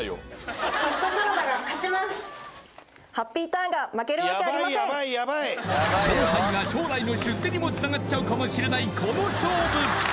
勝敗が将来の出世にもつながっちゃうかもしれないこの勝負！